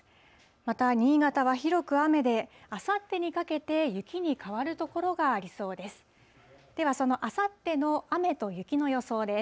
また新潟は広く雨で、あさってにかけて雪に変わる所がありそうです。